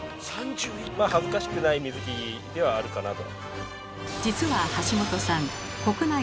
まあ恥ずかしくない水切りではあるかなと。